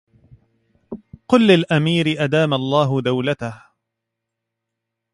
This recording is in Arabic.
قل للأمير أدام الله دولته